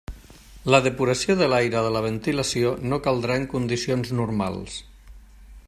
La depuració de l'aire de la ventilació no caldrà en condicions normals.